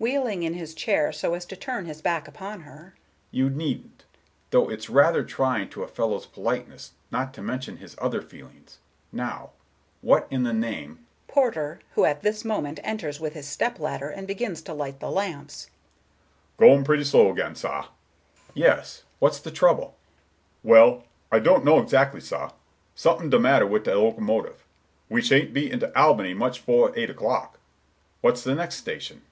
—wheeling in his chair so as to turn his back upon her—"you needn't. Though it's rather trying to a fellow's politeness, not to mention his other feelings. Now, what in the name"— Porter, who at this moment enters with his step ladder, and begins to light the lamps: "Going pretty slow ag'in, sah." Mr. Richards: "Yes; what's the trouble?" Porter: "Well, I don't know exactly, sah. Something de matter with de locomotive. We sha'n't be into Albany much 'fore eight o'clock." Mr. Richards: "What's the next station?"